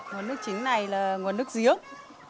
nguồn nước chính này là nguồn nước giếng